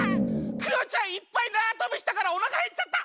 クヨちゃんいっぱいなわとびしたからおなかへっちゃった！